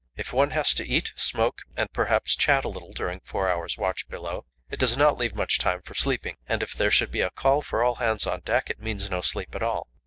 If one has to eat, smoke, and perhaps chat a little during four hours' watch below, it does not leave much time for sleeping; and if there should be a call for all hands on deck, it means no sleep at all.